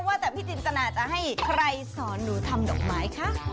ว่าแต่พี่จินตนาจะให้ใครสอนหนูทำดอกไม้คะ